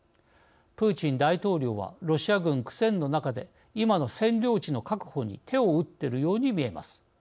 プーチン大統領はロシア軍、苦戦の中で今の占領地の確保に手を打っているようにみえます。